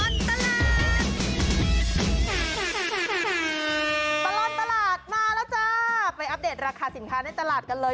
ช่วงปลอดภัณฑ์ปลอดภัณฑ์มาแล้วจ้าไปอัปเดตราคาสินค้าในตลาดกันเลย